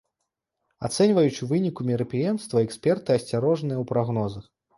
Ацэньваючы вынікі мерапрыемства, эксперты асцярожныя ў прагнозах.